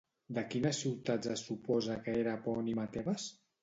De quines ciutats es suposa que era epònima Tebes?